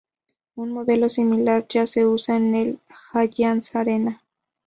Un modelo similar ya se usa en el Allianz Arena.